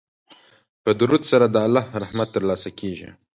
په درود سره د الله رحمت ترلاسه کیږي.